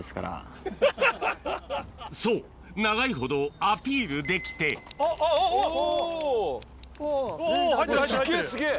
そう長いほどアピールできてすげぇすげぇ。